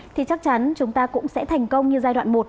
thì chắc chắn chúng ta cũng sẽ thành công như giai đoạn một